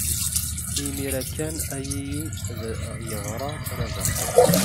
Imir-a kan ay iyi-d-yeɣra Rabaḥ.